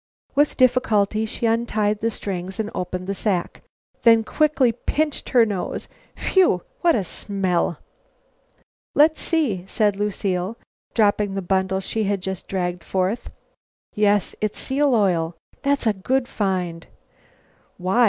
With difficulty she untied the strings and opened the sack. Then quickly she pinched her nose. "Whew! What a smell!" "Let's see," said Lucile, dropping the bundle she had just dragged forth. "Yes, it's seal oil. That's a good find." "Why?